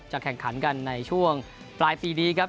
แข่งขันกันในช่วงปลายปีนี้ครับ